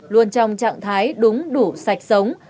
luôn trong trạng thái đúng đủ sạch sống